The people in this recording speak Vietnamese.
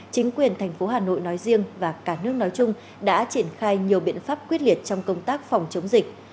chính quyền thành phố hà nội nói riêng và cả nước nói chung đã triển khai nhiều biện pháp quyết liệt trong công tác phòng chống dịch